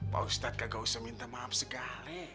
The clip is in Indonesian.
pak ustadz gak usah minta maaf sekali